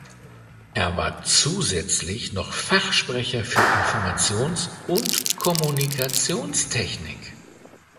Er war zusätzlich noch Fachsprecher für Informations- und Kommunikationstechnik.